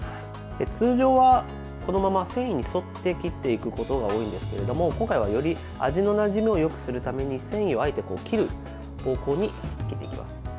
通常はこのまま繊維に沿って切っていくことが多いんですけれども今回はより味のなじみをよくするために繊維をあえて切る方向に切っていきます。